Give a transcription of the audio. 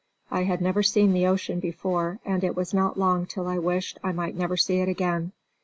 I had never seen the ocean before, and it was not long till I wished I might never see it again.